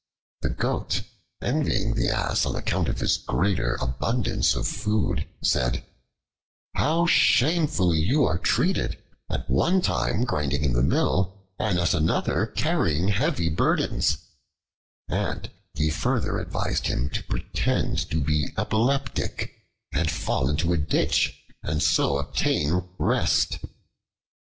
The Goat, envying the Ass on account of his greater abundance of food, said, "How shamefully you are treated: at one time grinding in the mill, and at another carrying heavy burdens;" and he further advised him to pretend to be epileptic and fall into a ditch and so obtain rest.